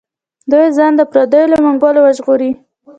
دوی ځان د پردیو له منګولو وژغوري.